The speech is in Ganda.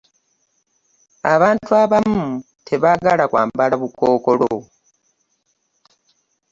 abantu abamu tebaagala kwambala bukookolo.